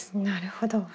なるほど。